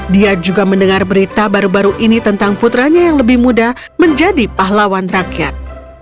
dia juga mendengar berita baru baru ini tentang putranya yang lebih muda menjadi pahlawan rakyat